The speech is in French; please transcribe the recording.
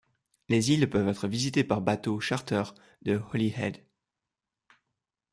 Les îles peuvent être visités par bateau charter de Holyhead.